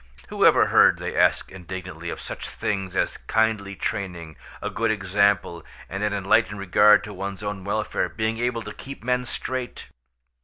"Who ever heard," they asked, indignantly, "of such things as kindly training, a good example, and an enlightened regard to one's own welfare, being able to keep men straight?"